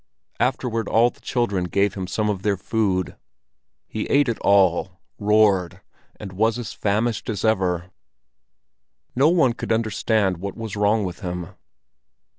Afterward all the children gave him some of their food. He ate it all, roared, and was as famished as ever. No one could understand what was wrong with him.